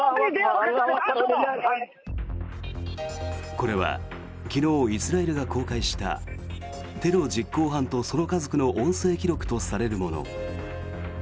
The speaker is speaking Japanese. これは、昨日イスラエルが公開したテロ実行犯とその家族の音声記録とされるもの。